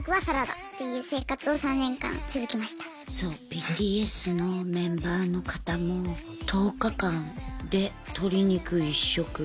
ＢＴＳのメンバーの方も１０日間で鶏肉１食。